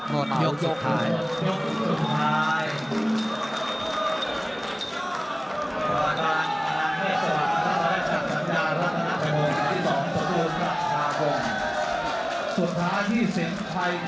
พอตั้งหลักได้โทษท้ายรับทางหน้าทั้งหมวงที่สองตราวงค์